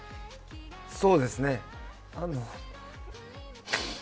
そうですね。